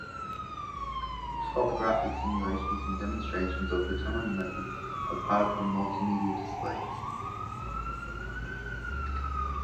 Topographic simulations and demonstrations of the tunneling methods are part of the multimedia displays.